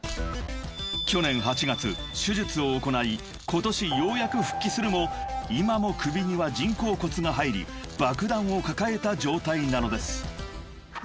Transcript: ［今年ようやく復帰するも今も首には人工骨が入り爆弾を抱えた状態なのです］